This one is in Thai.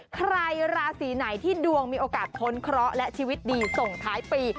ใครราศีไหนที่ดวงมีโอกาสพ้นเคราะห์และชีวิตดีส่งท้ายปี